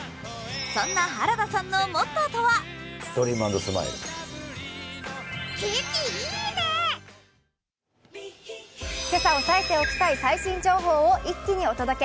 そんな原田さんのモットーとは今朝、押さえておきたい最新情報を一気にお届け。